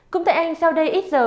cũng tại anh sau đây ít giờ